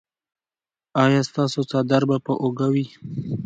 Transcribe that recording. ایا ستاسو څادر به پر اوږه وي؟